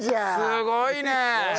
すごいね！